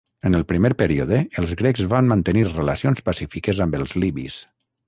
En el primer període, els grecs van mantenir relacions pacífiques amb els libis.